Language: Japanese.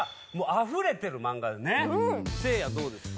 せいやどうですか？